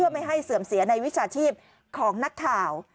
ไม่ให้เสื่อมเสียในวิชาชีพของนักข่าว